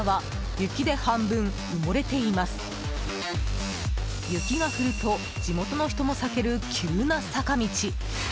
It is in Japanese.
雪が降ると、地元の人も避ける急な坂道。